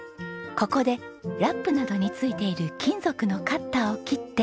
ここでラップなどに付いている金属のカッターを切って。